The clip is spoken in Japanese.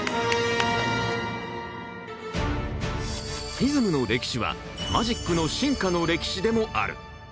ＦＩＳＭの歴史はマジックの進化の歴史でもある。